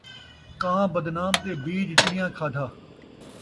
کاں بدنام تے بیج چڑیاں کھادا